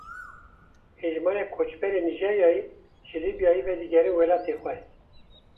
Hejmarek koçberên Nîjeryayê ji Lîbyayê vedigerin welatê xwe.